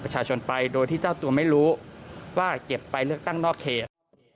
ประชาชนไปโดยที่เจ้าตัวไม่รู้ว่าเก็บไปเลือกตั้งนอกเขต